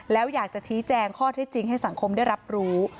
แล้วอยากจะชี้แจงข้อเท็จจริงให้สังคมได้รับรู้